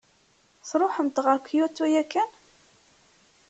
Tṛuḥemt ɣer Kyoto yakan?